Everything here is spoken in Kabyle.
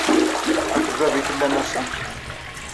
Akked baba ay tellam ass-a?